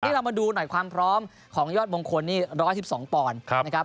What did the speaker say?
อันนี้เรามาดูหน่อยความพร้อมของยอดมงคล๑๑๒ปอนด์